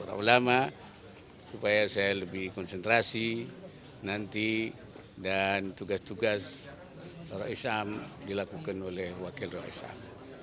orang ulama supaya saya lebih konsentrasi nanti dan tugas tugas rois am dilakukan oleh wakil rois am